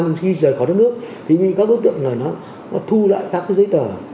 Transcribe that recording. nhưng khi rời khỏi đất nước thì các đối tượng này nó thu lại các cái giấy tờ